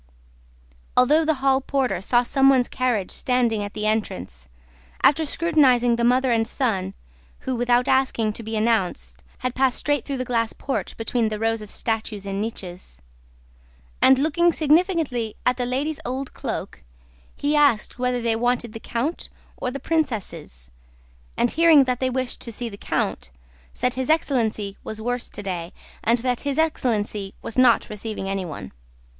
Although the hall porter saw someone's carriage standing at the entrance, after scrutinizing the mother and son (who without asking to be announced had passed straight through the glass porch between the rows of statues in niches) and looking significantly at the lady's old cloak, he asked whether they wanted the count or the princesses, and, hearing that they wished to see the count, said his excellency was worse today, and that his excellency was not receiving anyone.